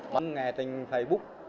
mình nghe trên facebook